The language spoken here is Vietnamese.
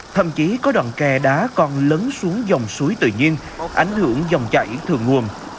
thậm chí có đoạn kè đá còn lấn xuống dòng suối tự nhiên ảnh hưởng dòng chảy thượng nguồn